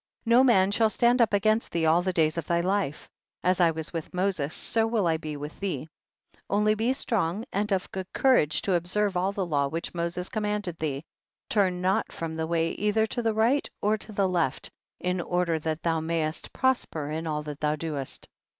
4. No man shall stand up against thee all the days of thy life ; as I was with Moses, so will I be with thee, only be strong and of good courage to observe all the law which Moses commanded thee, turn not from the way either to the right or to the left, in order that thou mayst prosper in all that thou doest.